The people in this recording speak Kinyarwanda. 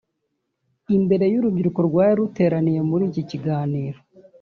Imbere y’ urubyiruko rwari ruteraniye muri iki kiganiro